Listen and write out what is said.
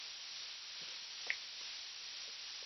Este es el tipo más difundido de electrodo selectivo de iones.